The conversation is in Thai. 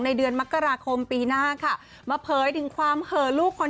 ไม่มีอะไรนะคะไม่ต้องห่วง